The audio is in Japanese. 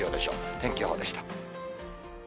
天気予報でした。